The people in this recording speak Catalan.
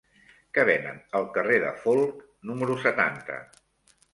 Què venen al carrer de Folc número setanta?